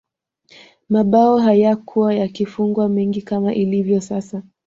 mabao hayakuwa yakifungwa mengi kama ilivyo sasa